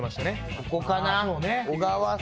ここかな。